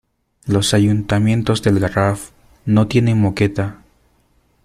Los ayuntamientos del Garraf no tienen moqueta.